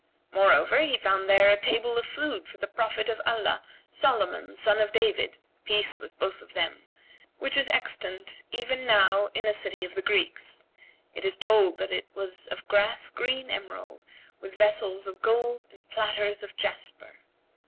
Moreover, he found there the table of food for the Prophet of Allah, Solomon, son of David (peace with both of them!), which is extant even now in a city of the Greeks, it is told that it was of grass green emerald with vessels of gold and platters of jasper.